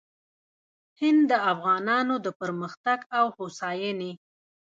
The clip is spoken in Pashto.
هند د افغانانو د پرمختګ او هوساینې